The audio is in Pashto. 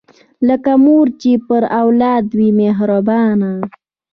لکه مور چې پر اولاد وي مهربانه